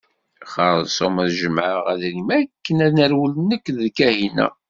Xerṣum ad jemɛeɣ adrim akken ad nerwel nekk d Kahina.